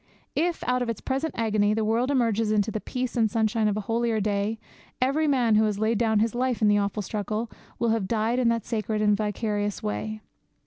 If, out of its present agony, the world emerges into the peace and sunshine of a holier day, every man who laid down his life in the awful struggle will have died in that sacred and vicarious way.